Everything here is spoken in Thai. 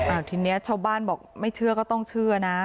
ทีนี้ชาวบ้านบอกไม่เชื่อก็ต้องเชื่อนะ